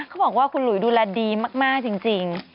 เขาบอกว่าคุณหลุยดูแลดีมากจริง